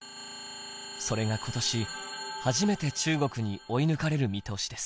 それが今年初めて中国に追い抜かれる見通しです。